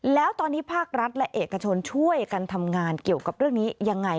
แล้วตอนนี้ภาครัฐและเอกชนช่วยกันทำงานเกี่ยวกับเรื่องนี้ยังไง